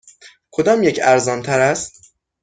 کدامیک ارزان تر است؟